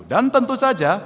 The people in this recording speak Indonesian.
dan tentu saja